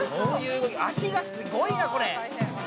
足がすごいな、これ。